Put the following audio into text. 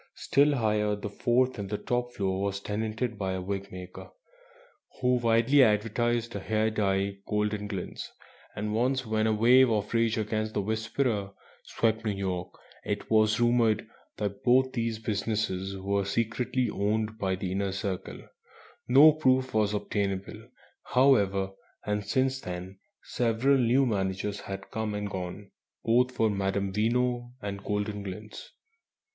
Still higher, the fourth (and top) floor was tenanted by a wig maker who widely advertised a hair dye "Goldenglints"; and once, when a wave of rage against the "Whisperer" swept New York, it was rumoured that both these businesses were secretly owned by the Inner Circle. No proof was obtainable, however, and since then several new managers had come and gone, both for Madame Veno and "Goldenglints."